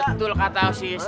betul kata osis